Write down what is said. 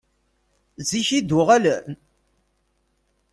Zik i d-uɣalen?